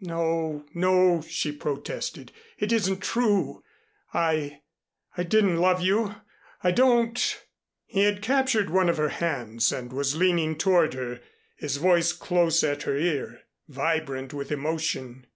"No, no," she protested. "It isn't true. I I didn't love you I don't " He had captured one of her hands and was leaning toward her, his voice close at her ear, vibrant with emotion.